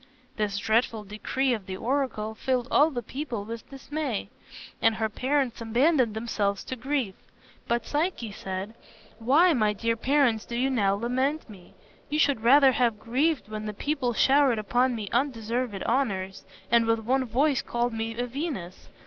This dreadful decree of the oracle filled all the people with dismay, and her parents abandoned themselves to grief. But Psyche said, "Why, my dear parents, do you now lament me? You should rather have grieved when the people showered upon me undeserved honors, and with one voice called me a Venus.